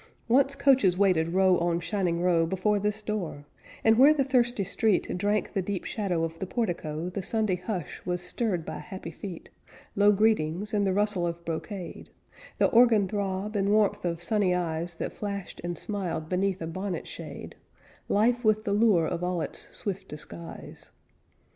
Once coaches waited row on shining row Before this door; and where the thirsty street Drank the deep shadow of the portico The Sunday hush was stirred by happy feet, Low greetings, and the rustle of brocade, The organ throb, and warmth of sunny eyes That flashed and smiled beneath a bonnet shade; Life with the lure of all its swift disguise.